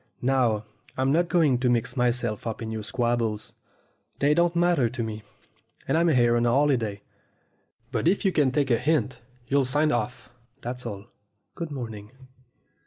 Now, I'm not going to mix myself up in your squabbles. They don't matter to me, and I'm here on a holiday; but if you can take a hint, you'll sign off that's all. Good morning."